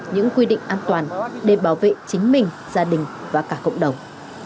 những quy định an toàn để bảo vệ chính mình gia đình và cả cộng đồng